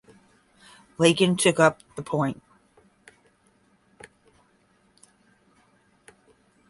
Lacan took up the point.